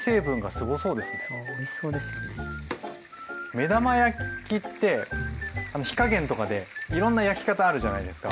目玉焼きって火加減とかでいろんな焼き方あるじゃないですか。